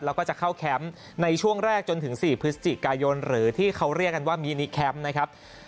แล้วก็จะเข้าแคมป์ในช่วงแรกจนถึง๔พฤศจิกายนหรือที่เขาเรียกกันว่ามินิแคมป์นะครับ